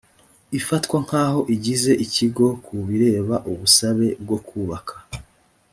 ifatwa nk aho igize ikigo ku bireba ubusabe bwo kubaka